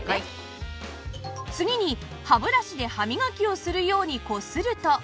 次に歯ブラシで歯磨きをするようにこすると